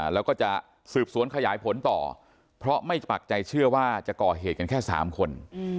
แล้วก็จะสืบสวนขยายผลต่อเพราะไม่ปักใจเชื่อว่าจะก่อเหตุกันแค่๓คน